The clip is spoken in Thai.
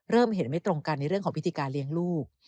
เริ่มเห็นไม่ตรงกันในเรื่องของพิธีการเลี้ยงลูก